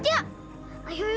benar ya yolong